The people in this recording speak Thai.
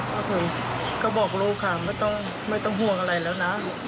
ก็คือก็บอกลูกค่ะไม่ต้องห่วงอะไรแล้วนะ